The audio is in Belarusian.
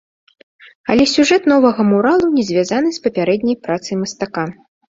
Але сюжэт новага муралу не звязаны з папярэдняй працай мастака.